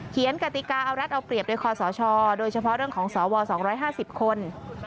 กติกาเอารัฐเอาเปรียบโดยคอสชโดยเฉพาะเรื่องของสว๒๕๐คน